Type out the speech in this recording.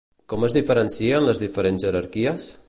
Com es diferencien les diferents jerarquies?